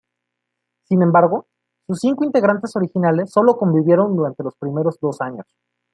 Sin embargo sus cinco integrantes originales sólo convivieron durante los primeros dos años.